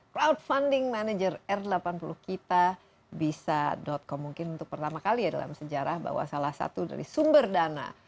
crowdfunding manager r delapan puluh kitabisa com mungkin untuk pertama kali ya dalam sejarah bahwa salah satu dari sumber dana